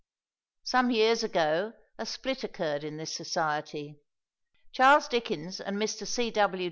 Some years ago a split occurred in this society. Charles Dickens and Mr. C. W.